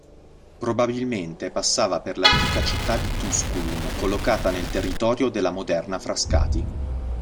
Probabilmente passava per l'antica città di "Tusculum" collocata nel territorio della moderna Frascati.